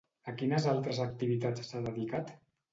A quines altres activitats s'ha dedicat?